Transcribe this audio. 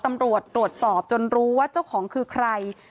ตำรวจตรวจสอบจนรู้ว่าเจ้าของคือใคร